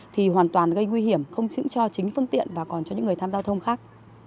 thì hoàn toàn gây nguy hiểm không chỉ cho chính phương tiện và còn cho những người tham gia thông khác